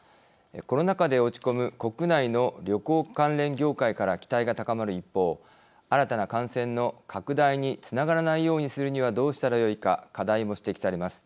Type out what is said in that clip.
コロナ禍で落ち込む国内の旅行関連業界から期待が高まる一方新たな感染の拡大につながらないようにするにはどうしたらよいか課題も指摘されます。